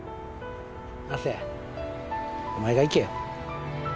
亜生お前が行けよ。